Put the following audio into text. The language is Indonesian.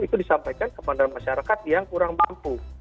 itu disampaikan kepada masyarakat yang kurang mampu